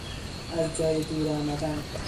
از جای دور آمدن